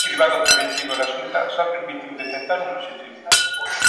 Este cribado preventivo da Xunta xa permitiu detectar un positivo.